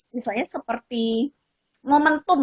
misalnya seperti momentum